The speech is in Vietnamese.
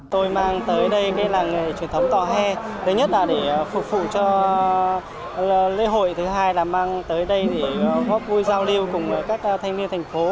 tôi mang tới đây cái làng nghề truyền thống tòa hè thứ nhất là để phục vụ cho lễ hội thứ hai là mang tới đây để góp vui giao lưu cùng các thanh niên thành phố